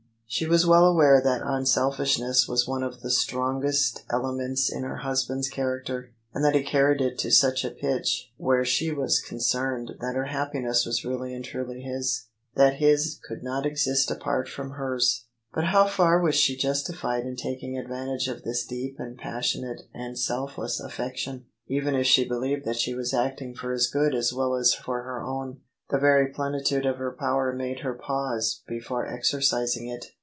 She was well aware that unselfishness was one of the strong OF ISABEL CARNABY est elements in her husband's character; and that he carried It to such a pitch where she was concerned that her happi ness was really and truly his — that his could not exist apart from hers. But how far was she justified in taking advan tage of this deep and passionate and selfless affection, even if she believed that she was acting for his good as well as for her own? The very plenitude of her power made her pause before exercising it.